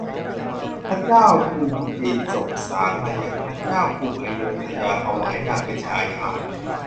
พระเจ้ากรุงจีนส่งสาสน์มายังพระเจ้ากรุงอโยธยาถวายนางเป็นชายา